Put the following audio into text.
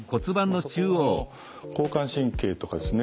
そこを交感神経とかですね